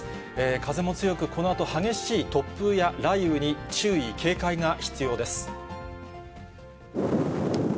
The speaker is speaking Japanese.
風も強く、このあと、激しい突風や雷雨に注意、警戒が必要です。